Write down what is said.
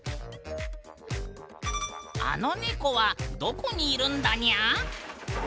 あのネコはどこにいるんだにゃ？